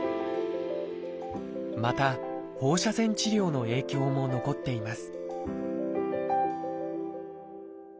また放射線治療の影響も残っています